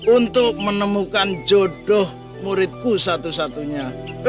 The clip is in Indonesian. untuk menemukan jodoh muridku satu satunya